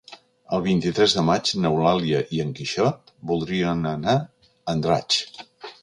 El vint-i-tres de maig n'Eulàlia i en Quixot voldrien anar a Andratx.